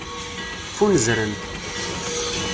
Ffunzrent.